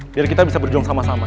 biar kita bisa berjuang sama sama